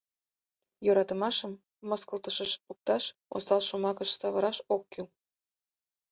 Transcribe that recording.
Йӧратымашым мыскылтышыш лукташ, осал шомакыш савыраш ок кӱл.